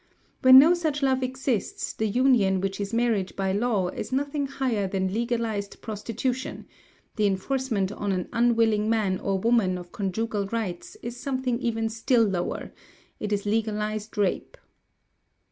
When no such love exists the union which is marriage by law is nothing higher than legalised prostitution: the enforcement on an unwilling man or woman of conjugal rights is something even still lower, it is legalised rape.